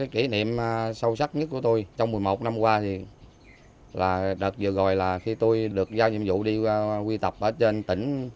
kỷ niệm sâu sắc nhất của tôi trong một mươi một năm qua là đợt vừa rồi là khi tôi được giao nhiệm vụ đi qua quy tập ở trên tỉnh